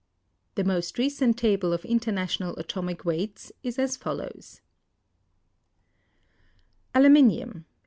The most recent table of International Atomic Weights is as follows: 278 Aluminium.